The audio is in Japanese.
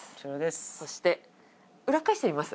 そして裏返してみます